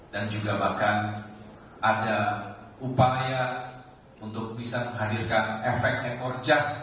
dan juga bahkan ada upaya untuk bisa menghadirkan efek ekor jazz